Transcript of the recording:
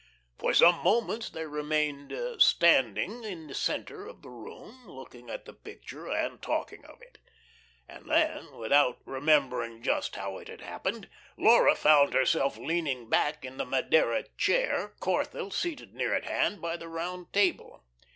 For some moments they remained standing in the centre of the room, looking at the picture and talking of it. And then, without remembering just how it had happened, Laura found herself leaning back in the Madeira chair, Corthell seated near at hand by the round table.